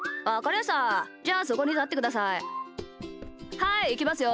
はいいきますよ。